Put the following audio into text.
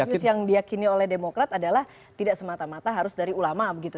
tapi justru yang diakini oleh demokrat adalah tidak semata mata harus dari ulama begitu